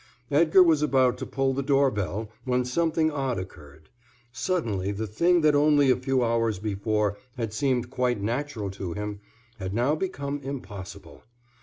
Edgar was about to pull the door bell when something odd occurred. Suddenly the thing that only a few hours before had seemed quite natural to him had now become impossible.